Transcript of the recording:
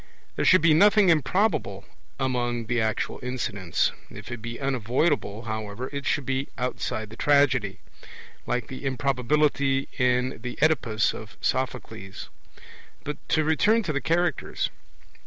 There should be nothing improbable among the actual incidents. If it be unavoidable, however, it should be outside the tragedy, like the improbability in the Oedipus of Sophocles. But to return to the Characters.